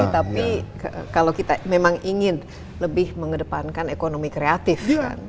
tapi kalau kita memang ingin lebih mengedepankan ekonomi kreatif